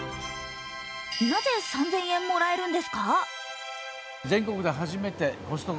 なぜ３０００円もらえるんですか？